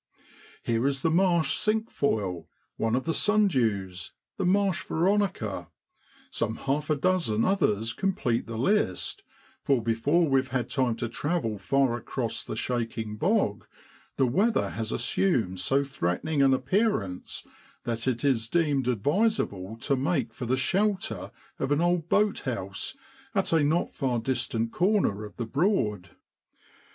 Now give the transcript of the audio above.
Here is the marsh cinque foil, one of the sundews, the marsh veronica; some half a dozen others complete the list, for before we've had time to travel far across the shaking bog the weather has assumed so threatening an appearance that it is deemed advisable to make for the shelter of an old boat house at a not far distant corner of the Broad.